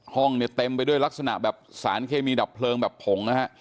ห้องเนี่ยเต็มไปด้วยลักษณะแบบสารเคมีดับเพลิงแบบผงนะฮะ